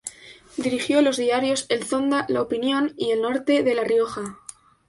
Dirigió los diarios "El Zonda", "La Opinión" y "El Norte", de La Rioja.